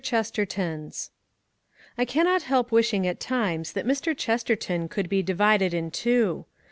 CHESTERTONS I cannot help wishing at times that Mr. Chesterton could be divided in two.